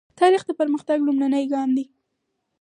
تاریخ د پرمختګ لومړنی ګام دی.